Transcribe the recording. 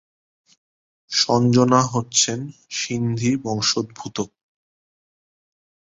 সঞ্জনা হচ্ছেন সিন্ধি বংশোদ্ভূত।